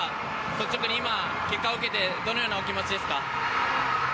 率直に今、結果を受けてどのようなお気持ちですか。